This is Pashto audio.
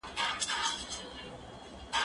زه پرون د زده کړو تمرين وکړ؟